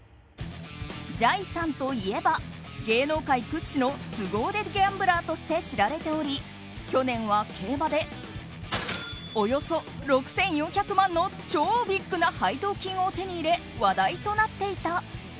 じゃいさんといえば芸能界屈指のスゴ腕ギャンブラーとして知られており去年は競馬でおよそ６４００万の超ビッグな配当金を手に入れ、話題となっていた。